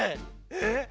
えっ？